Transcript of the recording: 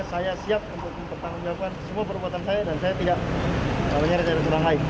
dan saya tidak akan menyerah serah